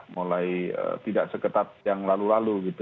mulai tidak seketat yang lalu lalu gitu